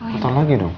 bentar lagi dong